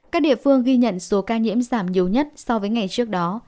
các địa phương ghi nhận số ca nhiễm giảm nhiều nhất so với ngày trước đó